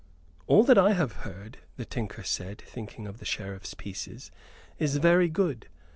"All that I have heard," the tinker said, thinking of the Sheriff's pieces, "is very good.